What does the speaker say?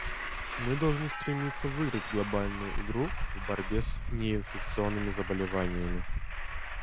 Мы должны стремиться выиграть глобальную игру в борьбе с неинфекционными заболеваниями.